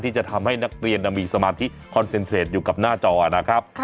ที่จะทำให้นักเรียนมีสมาธิคอนเซ็นเทรดอยู่กับหน้าจอนะครับ